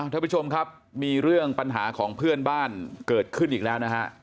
ท่านผู้ชมครับมีเรื่องปัญหาของเพื่อนบ้านเกิดขึ้นอีกแล้วนะฮะ